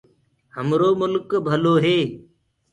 همرو ملڪ ڀلو هي۔